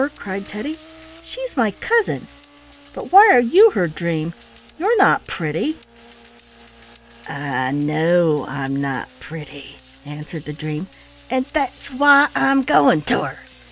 cried Teddy. "She's my cousin. But why are you her dream? You're not pretty." "I know I'm not pretty," answered the dream, "and that's why I'm going to her.